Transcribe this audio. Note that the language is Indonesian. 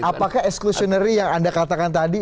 apakah exclusionary yang anda katakan tadi